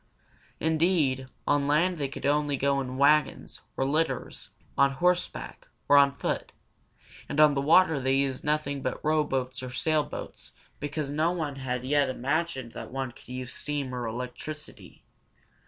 Indeed, on land they could go only in wagons, in litters, on horseback, or on foot; and on the water they used nothing but rowboats or sailboats, because no one had yet imagined that one could use steam or electricity.